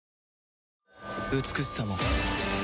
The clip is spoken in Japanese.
美しさも